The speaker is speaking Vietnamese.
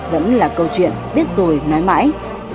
vẫn là câu chuyện biết rồi nói mãi